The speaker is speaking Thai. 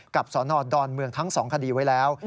สนดอนเมืองทั้ง๒คดีไว้แล้ว